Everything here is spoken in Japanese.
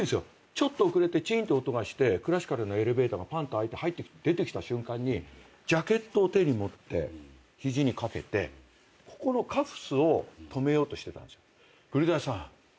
ちょっと遅れてチーンって音がしてクラシカルなエレベーターがパンッと開いて出てきた瞬間にジャケットを手に持って肘に掛けてここのカフスを留めようとしてたんですよ。